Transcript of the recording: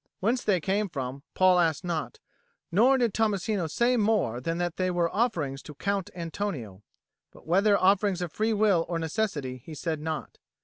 Whence they came from, Paul asked not; nor did Tommasino say more than that they were offerings to Count Antonio but whether offerings of free will or necessity, he said not.